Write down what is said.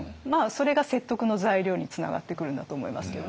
それが説得の材料につながってくるんだと思いますけどね。